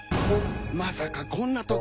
まさかこんな所に。